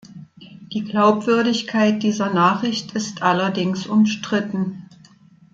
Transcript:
Die Glaubwürdigkeit dieser Nachricht ist allerdings umstritten.